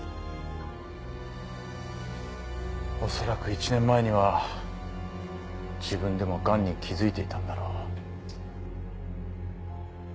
おそらく１年前には自分でもがんに気付いていたんだろう。